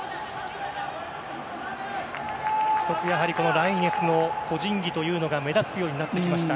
ライネスの個人技というのが目立つようになってきました